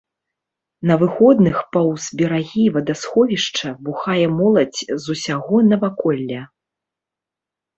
На выходных паўз берагі вадасховішча бухае моладзь з усяго наваколля.